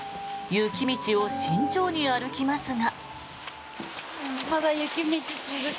雪道を慎重に歩きますが。